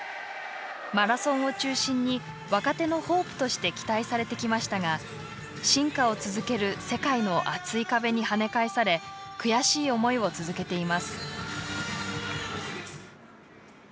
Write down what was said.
マラソンを中心に若手のホープとして期待されてきましたが進化を続ける世界の厚い壁に跳ね返され悔しい思いを続けています。